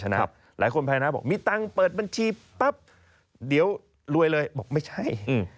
หลายคนภายหน้าบอกมีตังค์เปิดบัญชีปั๊บเดี๋ยวรวยเลยบอกไม่ใช่